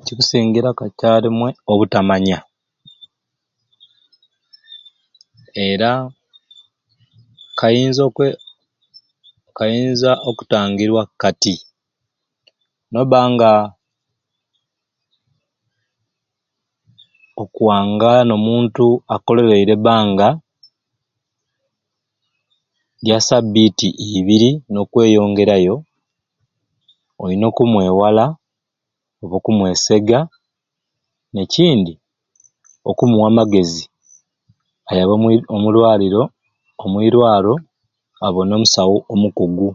Ekikusingira kacarumwei obutamanya era kayinza okwe kayinza okutangirwa Kati, nobba nga okuwangala no muntu akololeire eibanga lya sabiti ibiri nokweyongerayo olina okumwewala oba oku mweseega nekindi okumuwa amagezi ayabe omu lwaliro omuirwaro abone omusawo omukugu.